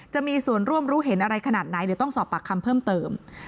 จะมีส่วนร่วมรู้เห็นอะไรขนาดไหนเดี๋ยวต้องสอบปากคำเพิ่มเติม